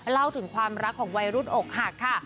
เล่าถึงความรักของวัยรุ่นอกหักค่ะ